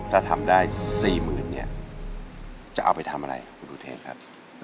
ถ้าทำได้๔๐๐๐๐บาทจะเอาไปทำอะไรครับ